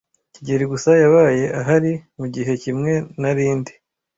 kigeli gusa yabaye ahari mugihe kimwe nari ndi.